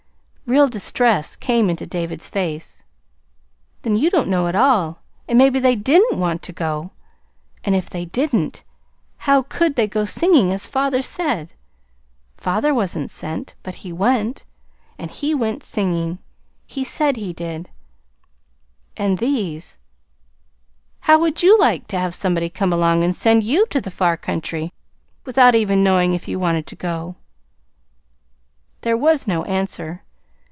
Real distress came into David's face. "Then you don't know at all. And maybe they DIDn't want to go. And if they didn't, how COULD they go singing, as father said? Father wasn't sent. He WENT. And he went singing. He said he did. But these How would YOU like to have somebody come along and send YOU to the far country, without even knowing if you wanted to go?" There was no answer.